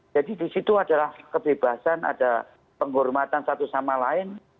jadi disitu adalah kebebasan ada penghormatan satu sama lain